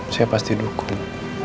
saya pasti dukung